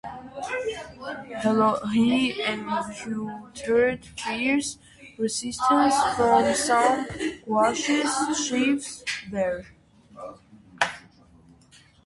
He encountered fierce resistance from some Guanches chiefs there.